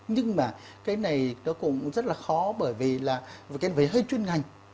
nhưng mà cái này nó cũng rất là khó bởi vì là cái này phải hơi chuyên ngành